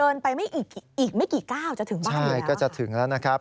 เดินไปอีกไม่กี่ก้าวจะถึงบ้างหรือเปล่าครับครับใช่ก็จะถึงแล้วนะครับ